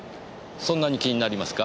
そんなに気になりますか？